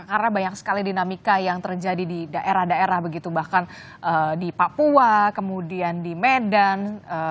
karena banyak sekali dinamika yang terjadi di daerah daerah begitu bahkan di papua kemudian di medan